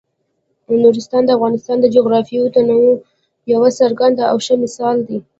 نورستان د افغانستان د جغرافیوي تنوع یو څرګند او ښه مثال دی.